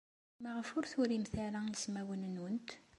Maɣef ur turimet ara ismawen-nwent?